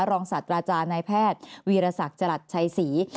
รองศัตริย์ราชานายแพทย์วีรศักดิ์จรัฐชัยศรี